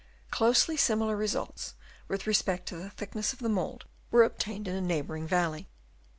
Closely similar results, with respect to the thickness of the mould, were obtained in a neighbouring valley.